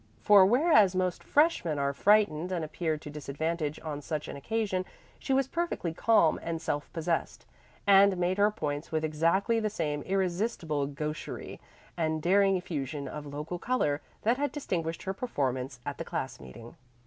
For whereas most freshmen are frightened and appear to disadvantage on such an occasion, she was perfectly calm and self possessed, and made her points with exactly the same irresistible gaucherie and daring infusion of local color that had distinguished her performance at the class meeting.